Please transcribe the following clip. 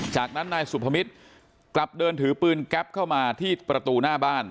จากนั้นนายสุพมิตรกลับเดินถือปืนแก๊ปเข้ามาที่ประตูหน้าบ้าน